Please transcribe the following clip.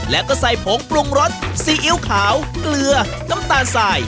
แล้วก็ใส่ผงปรุงรสซีอิ๊วขาวเกลือน้ำตาลสาย